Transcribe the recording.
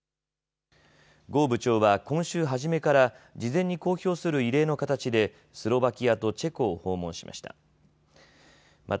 呉部長は今週初めから事前に公表する異例の形でスロバキアとチェコを訪問しました。